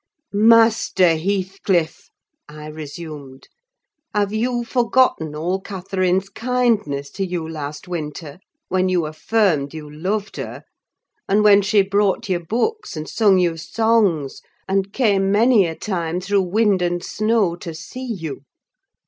"Master Heathcliff," I resumed, "have you forgotten all Catherine's kindness to you last winter, when you affirmed you loved her, and when she brought you books and sung you songs, and came many a time through wind and snow to see you?